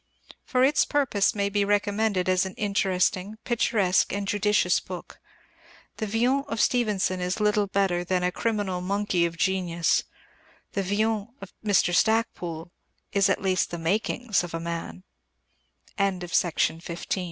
For its purpose it may be recommended as an interesting, picturesque, and judicious book. The Villon of Stevenson is little better than a criminal monkey of genius. The Villon of Mr. Stacpoole is at least the makings of a